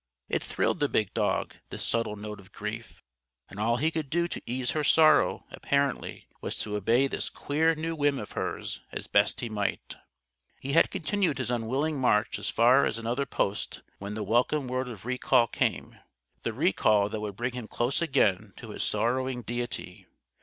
It thrilled the big dog, this subtle note of grief. And all he could do to ease her sorrow, apparently, was to obey this queer new whim of hers as best he might. He had continued his unwilling march as far as another post when the welcome word of recall came the recall that would bring him close again to his sorrowing deity.